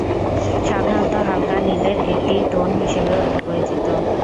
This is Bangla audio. সাধারণত হালকা নীলের একটি টোন হিসেবেও এটি পরিচিত।